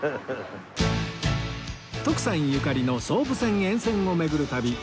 徳さんゆかりの総武線沿線を巡る旅